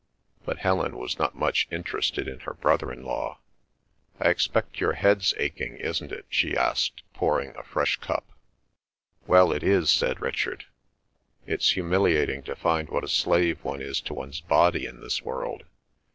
But Helen was not much interested in her brother in law. "I expect your head's aching, isn't it?" she asked, pouring a fresh cup. "Well, it is," said Richard. "It's humiliating to find what a slave one is to one's body in this world.